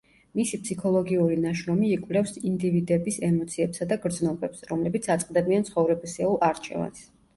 მისი ფსიქოლოგიური ნაშრომი იკვლევს ინდივიდების ემოციებსა და გრძნობებს, რომლებიც აწყდებიან ცხოვრებისეულ არჩევანს.